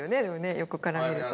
横から見ると。